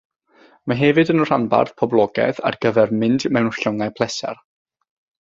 Mae hefyd yn rhanbarth poblogaidd ar gyfer mynd mewn llongau pleser.